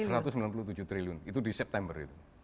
rp satu ratus sembilan puluh tujuh triliun itu di september itu